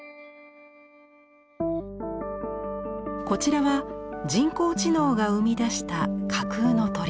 こちらは人工知能が生み出した架空の鳥。